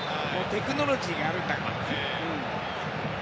テクノロジーがあるんだから。